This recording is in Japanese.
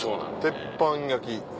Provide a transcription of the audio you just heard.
鉄板焼き。